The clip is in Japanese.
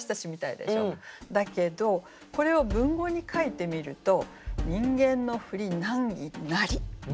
だけどこれを文語に書いてみると「人間のふり難儀なり」。